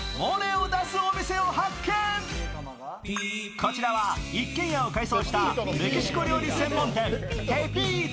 こちらは一軒家を改装したメキシコ料理専門店・テピート。